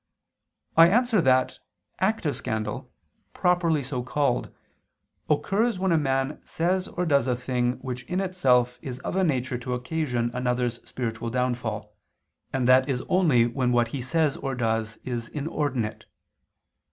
I answer that, Active scandal, properly so called, occurs when a man says or does a thing which in itself is of a nature to occasion another's spiritual downfall, and that is only when what he says or does is inordinate.